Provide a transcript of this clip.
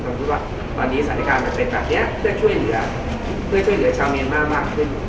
ตอนนี้สถานการณ์มันเป็นแบบนี้เพื่อช่วยเหลือชาวเนียนมากขึ้น